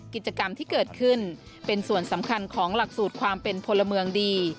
กิจกรรมที่เกิดขึ้นเป็นส่วนสำคัญของหลักสูตรความเป็นพลเมืองดี